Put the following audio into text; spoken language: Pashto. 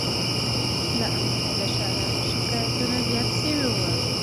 له امله د ښاریانو شکایتونه زیات سوي وه